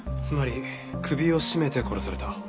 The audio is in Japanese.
つまり首を絞めて殺された。